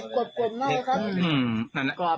กรอบกรอบมากครับ